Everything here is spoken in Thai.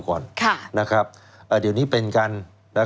ใครคือน้องใบเตย